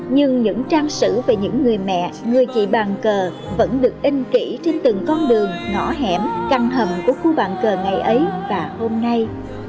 nhưng những trang sử về những người mẹ người chị bàn cờ vẫn được in kỹ trên từng con đường ngõ hẻm căn hầm của khu bàn cờ ngày ấy và hôm nay